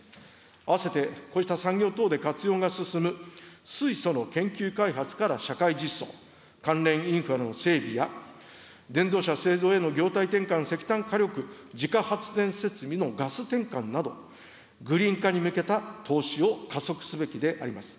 併せてこうした産業等で活用が進む水素の研究開発から社会実装、関連インフラの整備や、電動車製造への業態転換、石炭火力自家発電設備のガス転換など、グリーン化に向けた投資を加速すべきであります。